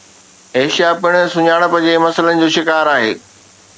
Asia پڻ سڃاڻپ جي مسئلن جو شڪار آهي